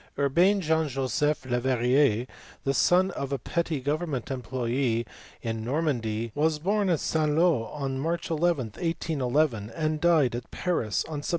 Urbain Jean Joseph Leverrier, the son of a petty Government employe in Normandy, was born at St L6 on March 11, 1811, and died at Paris on Sept.